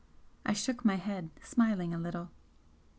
I shook my head, smiling a little.